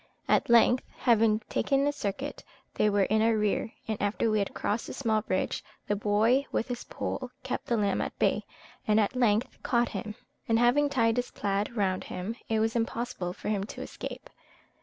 At length, having taken a circuit, they were in our rear; and after we had crossed a small bridge, the boy with his pole kept the lamb at bay, and at length caught him; and having tied his plaid round him, it was impossible for him to escape.